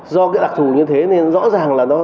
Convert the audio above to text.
do cái đặc thù như thế nên rõ ràng là nó